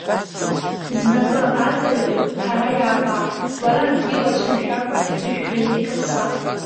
Знапы аҵаҩу ҳара иаабап, уара акгьы уацәымшәакәа иԥыжәжәаны икаԥса.